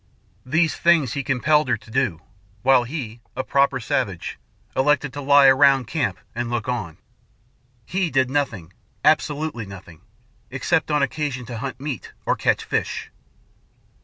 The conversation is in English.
These things he compelled her to do, while he, a proper savage, elected to lie around camp and look on. He did nothing, absolutely nothing, except on occasion to hunt meat or catch fish."